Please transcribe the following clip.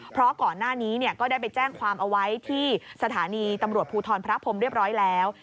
เพราะก่อนหน้านี้ก็ได้ไปแจ้งความเอาไว้ที่สถานีตำรวจภูทรพระพรมเรียบร้อยแล้ว